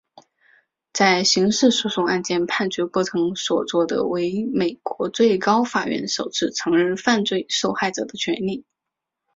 在刑事诉讼案件判决过程所做的为美国最高法院首次承认犯罪受害者的权利。